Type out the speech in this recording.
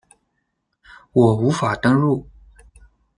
我无法登入